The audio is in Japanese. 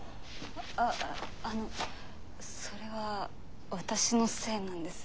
あっあのそれは私のせいなんです。